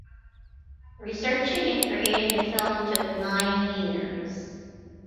Researching and creating the film took nine years.